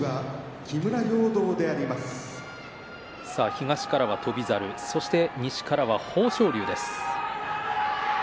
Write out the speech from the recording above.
東からは翔猿そして西からは豊昇龍です。